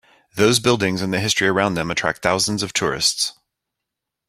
Those buildings and the history around them attract thousands of tourists.